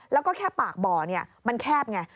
แล้วก็แค่ปากบ่อมันแคบไง